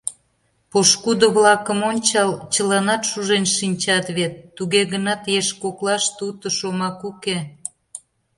Пошкудо-влакым ончал: чыланат шужен шинчат вет, туге гынат еш коклаште уто шомак уке.